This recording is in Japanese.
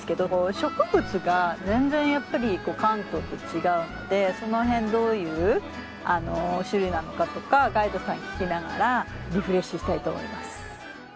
植物が全然やっぱり関東と違うのでそのへんどういう種類なのかとかガイドさんに聞きながらリフレッシュしたいと思います。